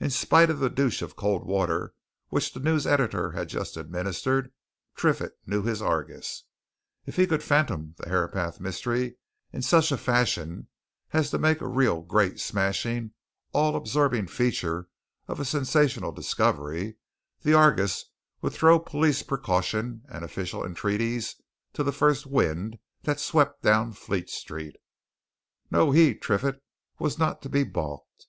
In spite of the douche of cold water which the news editor had just administered, Triffitt knew his Argus. If he could fathom the Herapath Mystery in such a fashion as to make a real great, smashing, all absorbing feature of a sensational discovery, the Argus would throw police precaution and official entreaties to the first wind that swept down Fleet Street. No! he, Triffitt, was not to be balked.